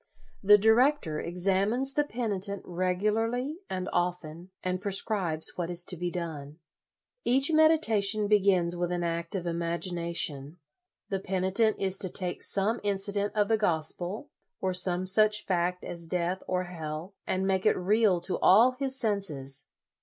The director examines the penitent regu larly and often, and prescribes what is to be done. Each meditation begins with an act of LOYOLA 69 imagination. The penitent is to take some incident of the Gospel, or some such fact as death or hell, and make it real to all his senses.